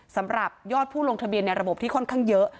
สำหรับยอดผู้ลงทะเบียนในระบบที่ค่อนข้างเยอะ